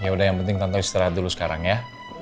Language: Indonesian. ya udah yang penting nonton istirahat dulu sekarang ya